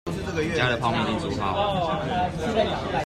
你家的泡麵已經煮好了